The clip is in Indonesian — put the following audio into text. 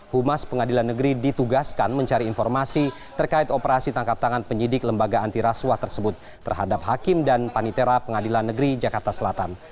humas pengadilan negeri ditugaskan mencari informasi terkait operasi tangkap tangan penyidik lembaga antirasuah tersebut terhadap hakim dan panitera pengadilan negeri jakarta selatan